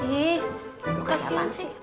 gak dikasih apa apa